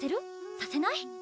させない？